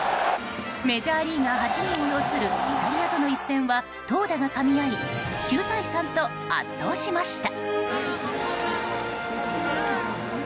メジャーリーガー８人を擁するイタリアとの一戦は投打がかみ合い９対３と圧倒しました。